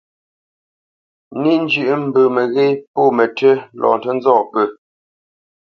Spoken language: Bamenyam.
Níʼ njʉ̂ʼ mbə məghé pô mətʉ́ lɔ ntə nzɔ́p pə̂.